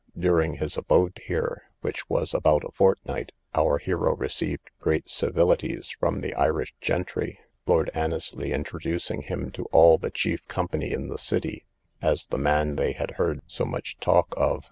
During his abode here, which was about a fortnight, our hero received great civilities from the Irish gentry; Lord Annesly introducing him to all the chief company in the city, as the man they had heard so much talk of.